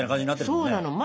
そうなの。